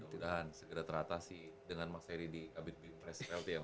mudah mudahan segera terata sih dengan mas heri di abit bintang press